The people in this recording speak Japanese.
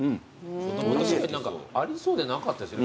何かありそうでなかったですよね